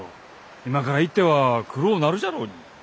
今から行っては暗うなるじゃろうに。